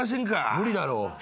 無理だろ。